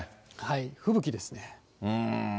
吹雪ですね。